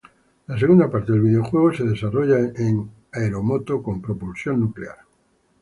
La segunda parte del videojuego se desarrolla en aero-moto con propulsión nuclear.